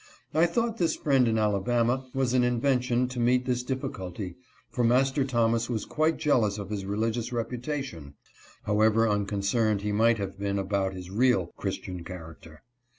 I thought this friend in Alabama was an invention to meet this difficulty, for Master Thomas was quite jealous of his religious reputation, however unconcerned he might have\been about his real Christian character.